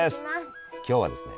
今日はですね